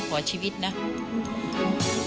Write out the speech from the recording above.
สวัสดีครับ